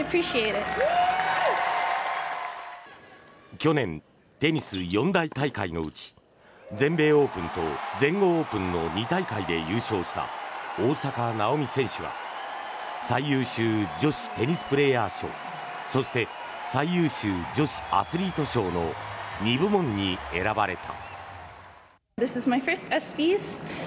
去年、テニス四大大会のうち全米オープンと全豪オープンの２大会で優勝した大坂なおみ選手が最優秀女子テニスプレーヤー賞そして最優秀女子アスリート賞の２部門に選ばれた。